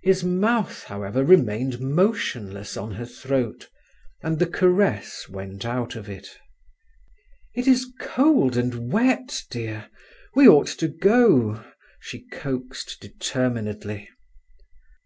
His mouth, however, remained motionless on her throat, and the caress went out of it. "It is cold and wet, dear; we ought to go," she coaxed determinedly.